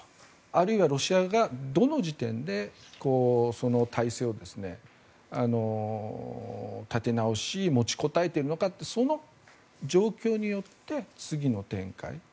あるいはロシアがどの時点で体勢を立て直し持ちこたえているのかというその状況によって、次の展開